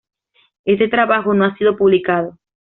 Este trabajo no ha sido publicado.